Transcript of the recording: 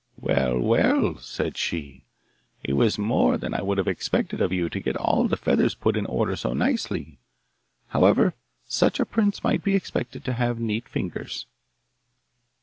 'Well, well,' said she, 'it was more than I would have expected of you to get all the feathers put in order so nicely. However, such a prince might be expected to have neat fingers.